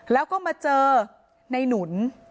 แล้วก็มาเจอในหนุน